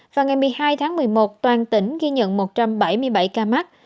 vào ngày một mươi hai tháng một mươi một toàn tỉnh ghi nhận một trăm bảy mươi bảy ca mắc